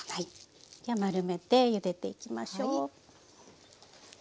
では丸めてゆでていきましょう。